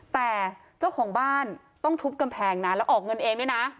แต่เจ้าของบ้านต้องทุบกำแพงนะแล้วออกเงินเองด้วยนะ